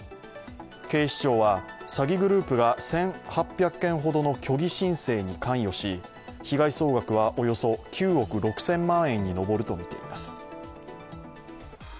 警視庁は詐欺グループが１８００件ほどの虚偽申請に関与し被害総額はおよそ９億６０００万円に上るとみています。